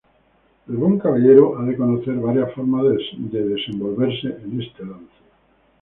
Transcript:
El buen caballero ha de conocer varias formas de desenvolverse en este lance.